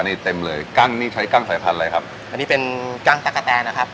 นี่เต็มเลยกั้นนี่ใช้กั้นสายพันธุ์อะไรครับอันนี้เป็นกั้งตั๊กกะแตนนะครับ